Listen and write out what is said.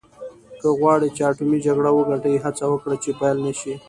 که غواړې چې اټومي جګړه وګټې هڅه وکړه چې پیل نه شي.